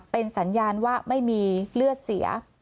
เป็นสัญญาณว่าไม่มีเลือดเสีย